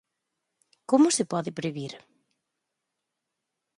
Como se pode previr?